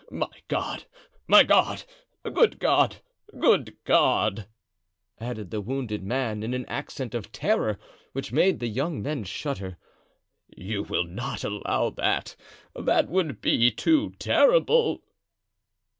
My God! my God! Good God! good God!" added the wounded man, in an accent of terror which made the young men shudder; "you will not allow that? that would be too terrible!"